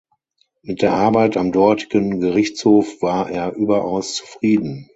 Mit der Arbeit am dortigen Gerichtshof war er überaus zufrieden.